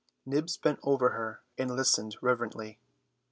Nibs bent over her and listened reverently.